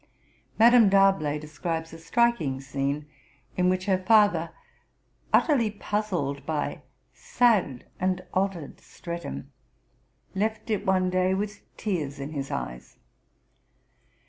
Mme. D'Arblay describes a striking scene in which her father, utterly puzzled by 'sad and altered Streatham,' left it one day with tears in his eyes.